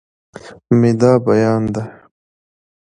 مې دا بيان دی